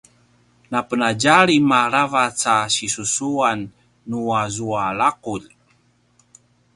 napenadjalim aravac a sisusuan nuazua laqulj